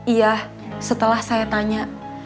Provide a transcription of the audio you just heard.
iya setelah saya tanya